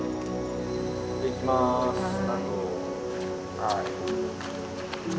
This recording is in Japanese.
はい。